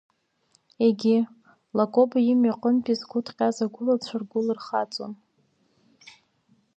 Егьи, Лакоба имҩаду аҟынтәи згәы ҭҟьаз лгәылацәа ргәы лырхаҵон…